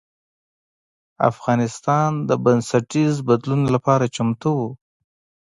افغانستان د بنسټیز بدلون لپاره چمتو و.